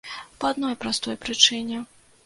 Па адной простай прычыне.